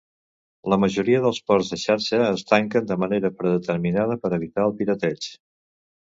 La majoria dels ports de xarxa es tanquen de manera predeterminada per evitar el pirateig.